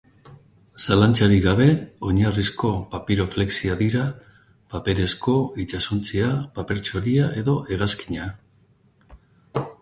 Zalantzarik gabe, oinarrizko papiroflexia dira paperezko itsasontzia, paper-txoria edo hegazkina.